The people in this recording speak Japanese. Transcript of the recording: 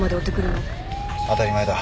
当たり前だ。